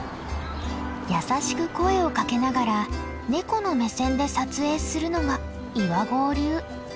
優しく声をかけながらネコの目線で撮影するのが岩合流。